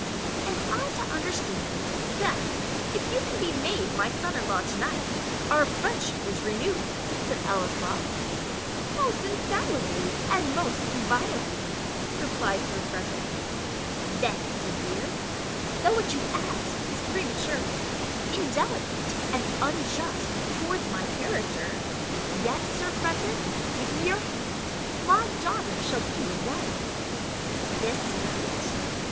"And I am to understand, that, if you can be made my son in law to night, our friendship is renewed?" said Ellieslaw. "Most infallibly, and most inviolably," replied Sir Frederick. "Then," said Vere, "though what you ask is premature, indelicate, and unjust towards my character, yet, Sir Frederick, give me your hand my daughter shall be your wife." "This night?"